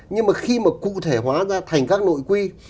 nhưng mà khi mà cụ thể hóa ra thành các nội quy